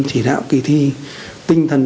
chỉ đạo kỳ thi tinh thần